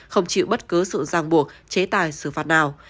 không chịu bất cứ sự ràng buộc chế tài xử phạt nào